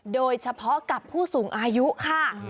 โดยเฉพาะกับผู้สูงอายุค่ะ